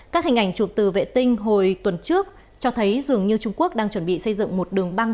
các hình ảnh chụp từ vệ tinh hồi tuần trước cho thấy dường như trung quốc đang chuẩn bị xây dựng một đường băng